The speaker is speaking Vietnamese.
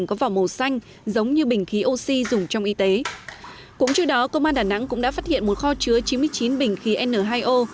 công an đà nẵng cũng đã phát hiện một kho chứa chín mươi chín bình khí n hai o